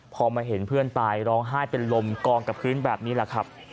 พอมาเห็นเพื่อนตายร้องไห้เป็นลมกองกับพื้นแบบนี้แหละครับ